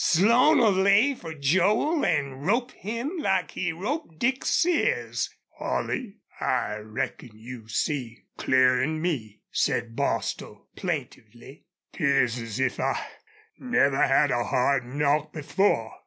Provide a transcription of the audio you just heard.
Slone'll lay fer Joel an' rope him like he roped Dick Sears." "Holley, I reckon you see clearer 'n me," said Bostil, plaintively. "'Pears as if I never had a hard knock before.